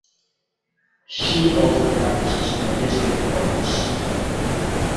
She also practices in the district courts.